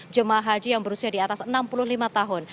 jemaah haji yang berusia di atas enam puluh lima tahun